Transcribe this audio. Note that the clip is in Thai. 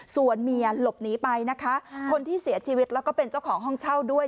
ส่วนเมียหลบหนีไปนะคะคนที่เสียชีวิตแล้วก็เป็นเจ้าของห้องเช่าด้วย